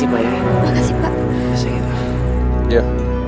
makasih pak ya